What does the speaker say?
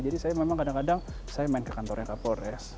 jadi saya memang kadang kadang saya main ke kantornya kapolres